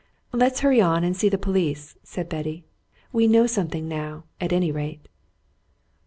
"Let's hurry on and see the police," said Betty. "We know something now, at any rate."